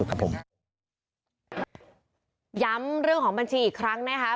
ย้ำเรื่องของบัญชีอีกครั้งนะคะ